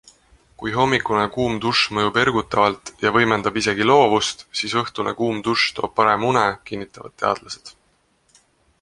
Kui hommikune kuum dušš mõjub ergutavalt ja võimendab isegi loovust, siis õhtune kuum dušš toob parema une, kinnitavad teadlased.